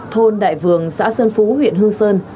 thôn đại vường xã sơn phú huyện hương sơn